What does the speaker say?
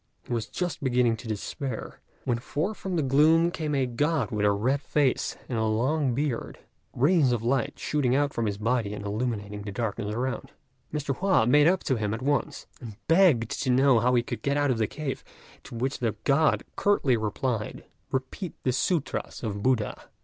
He was just beginning to despair, when forth from the gloom came a God with a red face and a long beard, rays of light shooting out from his body and illuminating the darkness around. Mr. Hua made up to him at once, and begged to know how he could get out of the cave; to which the God curtly replied, "Repeat the sûtras of Buddha!"